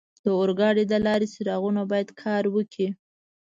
د اورګاډي د لارې څراغونه باید کار وکړي.